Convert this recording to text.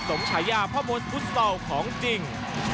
สมชายาพ่อมดบุษบอลของจริง